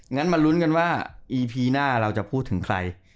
งั้นมาลุ้นกันว่าอีพีหน้าเราจะพูดถึงใคร